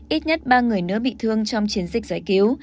ít nhất ba người nữa bị thương trong chiến dịch giải cứu